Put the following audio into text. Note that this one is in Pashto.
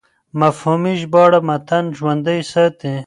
مفهومي ژباړه متن ژوندی ساتي.